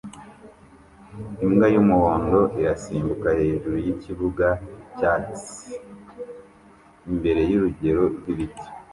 Imbwa y'umuhondo irasimbuka hejuru yikibuga cyatsi imbere yurugero rwibiti